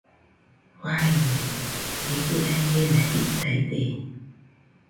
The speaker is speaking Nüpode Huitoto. Faiñaño, ie jira iena jitaide